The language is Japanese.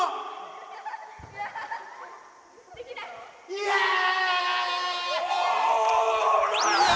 イエーイ！